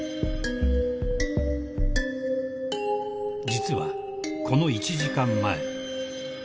［実はこの１時間前］